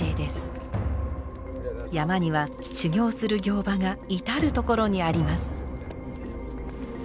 山には修行する行場が至る所にあります。